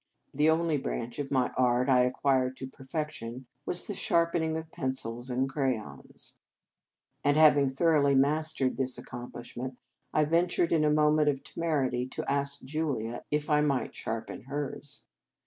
The only branch of my art I ac quired to perfection was the sharp ening of pencils and crayons ; and, 2 39 In Our Convent Days having thoroughly mastered this ac complishment, I ventured in a moment of temerity to ask Julia if I might sharpen hers.